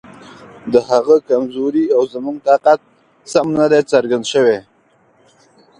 د هغه کمزوري او زموږ طاقت سم نه دی څرګند شوی.